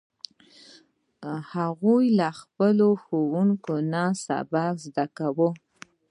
هغوی له خپلو ښوونکو نه سبق زده کوي